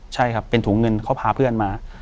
ใช่ครับเป็นถุงเงินเขาพาเพื่อนมา